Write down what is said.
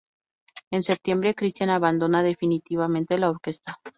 En setiembre Christian abandona definitivamente la orquesta.